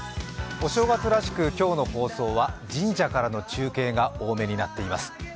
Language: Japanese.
お正月らしく今日の放送は神社からの中継が多めになっています。